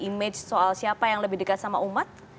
image soal siapa yang lebih dekat sama umat